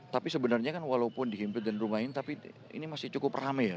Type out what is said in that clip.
tapi sebenarnya kan walaupun dihimpit dan rumah ini tapi ini masih cukup rame ya